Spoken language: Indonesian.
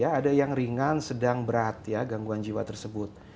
ada yang ringan sedang berat ya gangguan jiwa tersebut